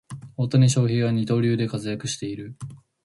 大谷翔平は二刀流で活躍している